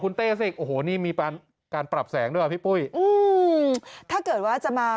คุณแต่สิโอ้โหนี่มีการปรับแสงด้วยพี่ปุ้ยถ้าเกิดว่าจะมา